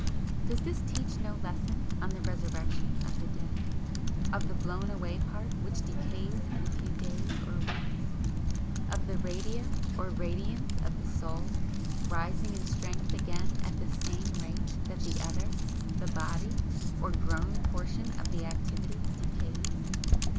Does this teach no lesson on the resurrection of the dead? Of the 'blown away part' which decays in a few days or weeks? of the 'Radia' or 'Radiance' of the Soul, rising in strength again AT THE SAME RATE that the other, the Body, or 'grown portion of the activity,' decays?